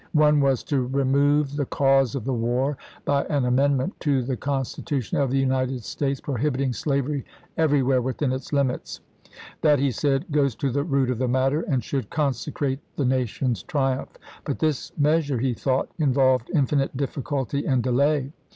One was to remove 118 ABRAHAM LINCOLN chap. v. the cause of the war by an amendment to the Con stitution of the United States, prohibiting slavery everywhere within its limits : that, he said, " goes to the root of the matter, and should consecrate the nation's triumph "; but this measure he thought involved infinite difficulty and delay.